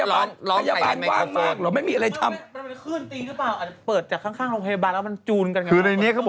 ล้องไข่ไอ้ไมโครเฟรก